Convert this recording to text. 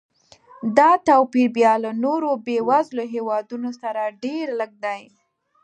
دا توپیر بیا له نورو بېوزلو هېوادونو سره ډېر لږ دی.